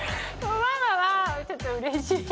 ママはちょっとうれしい。